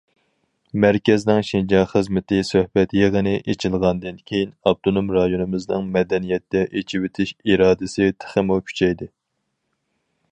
مەركەزنىڭ شىنجاڭ خىزمىتى سۆھبەت يىغىنى ئېچىلغاندىن كېيىن، ئاپتونوم رايونىمىزنىڭ مەدەنىيەتتە ئېچىۋېتىش ئىرادىسى تېخىمۇ كۈچەيدى.